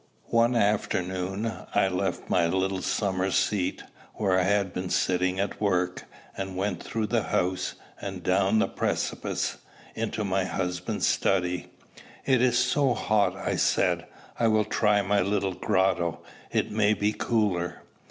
One afternoon I left my little summer seat, where I had been sitting at work, and went through the house, and down the precipice, into my husband's study. "It is so hot," I said, "I will try my little grotto: it may be cooler."